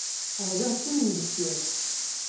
Ɣliɣ d timendeffirt.